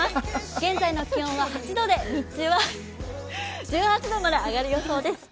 現在の気温は８度で、日中は１８度まで上がる予想です。